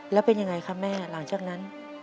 แล้วเป็นยังไงคะแม่หลังจากนั้น